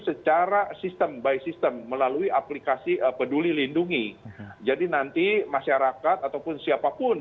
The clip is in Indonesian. secara sistem by system melalui aplikasi peduli lindungi jadi nanti masyarakat ataupun siapapun